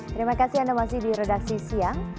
terima kasih anda masih di redaksi siang